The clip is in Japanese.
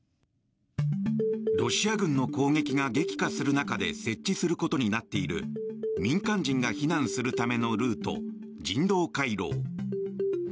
ロシア軍の攻撃が激化する中で設置することになっている民間人が避難するためのルート人道回廊。